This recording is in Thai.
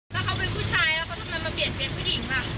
แล้วเขาเป็นผู้ชายแล้วเขาทำไมมาเปลี่ยนเป็นผู้หญิงล่ะ